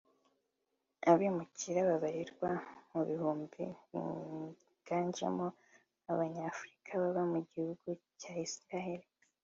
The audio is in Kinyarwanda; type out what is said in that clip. Abimukira babarirwa mu bihumbi biganjemo Abanyafrika baba mu gihugu cya Israheli